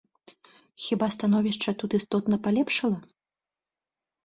Хіба становішча тут істотна палепшала?